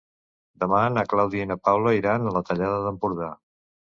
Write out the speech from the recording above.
Demà na Clàudia i na Paula iran a la Tallada d'Empordà.